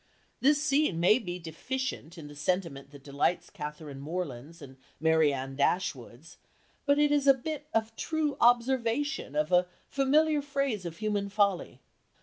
This scene may be deficient in the sentiment that delights Catherine Morlands and Marianne Dashwoods, but it is a bit of true observation of a familiar phase of human folly.